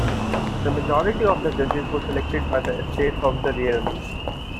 The majority of the judges were selected by the Estates of the realm.